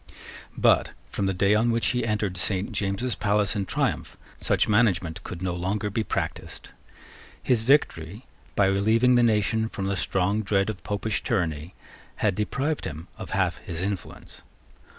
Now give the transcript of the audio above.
But, from the day on which he entered Saint James's palace in triumph, such management could no longer be practised. His victory, by relieving the nation from the strong dread of Popish tyranny, had deprived him of half his influence.